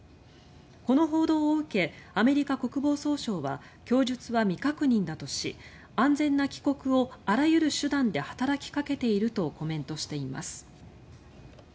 この報道を受けアメリカ国防総省は供述は未確認だとし安全な帰国をあらゆる手段で働きかけているとコメントしています。